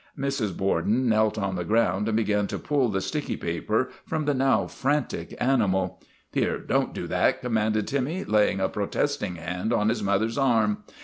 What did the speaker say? Mrs. Borden knelt on the ground and began to pull THE REGENERATION OF TIMMY 195 the sticky paper from the now frantic animal. " Here, don't do that," commanded Timmy, lay ing a protesting hand on his mother's arm.